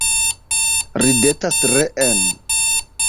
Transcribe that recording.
Ridetas reen?